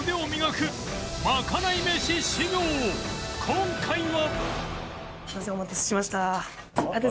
今回は